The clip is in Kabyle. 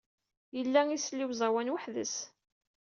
Yella isell i uẓawan weḥd-s.